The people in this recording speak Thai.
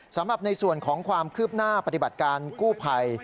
สำหรับในส่วนของความคืบหน้าปฏิบัติการกู้ภัย